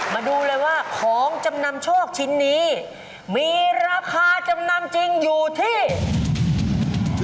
มาดูเลยว่าของจำนำโชคชิ้นนี้มีราคาจำนำจริงอยู่ที่